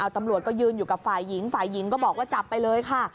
ตำรวจก็ยืนอยู่กับฝ่ายหญิงฝ่ายหญิงก็บอกว่าจับไปเลยค่ะ